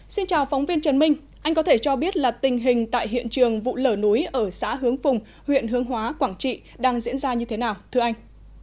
xin chào phóng viên trần minh anh có thể cho biết là tình hình tại hiện trường vụ lở núi ở xã hướng phùng huyện hướng hóa quảng trị đang diễn ra như thế nào thưa anh